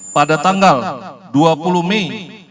pada tanggal dua puluh mei dua ribu dua puluh empat